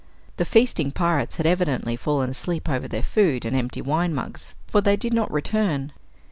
The feasting pirates had evidently fallen asleep over their food and empty wine mugs, for they did not return.